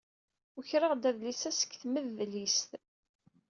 Ukreɣ-d adlis-a seg tmedlist.